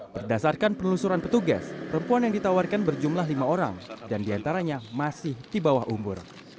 berdasarkan penelusuran petugas perempuan yang ditawarkan berjumlah lima orang dan diantaranya masih di bawah umur